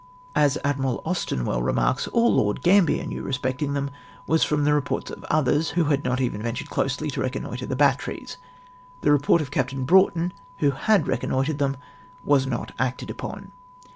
As Admiral Austen well remarks — all Lord Gambier knew I'especting them was from the reports of others, who had not even ventured closely to reconnoitre the bat teries. The report of Captain Broughton, wdio had reconnoitred them, was not acted upon.